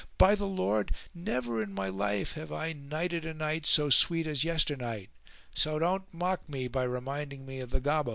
By the Lord, never in my life have I nighted a night so sweet as yesternight!, so don't mock by reminding me of the Gobbo."